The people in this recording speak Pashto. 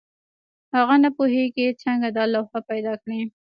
هغه نه پوهېږي څنګه دا لوحه پیدا کړي.